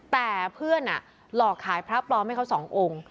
แต่เพื่อนหลอกขายพระปลอมให้เขาสององค์